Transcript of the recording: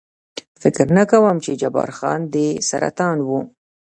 فکر نه کوم، چې جبار خان دې سرطان و.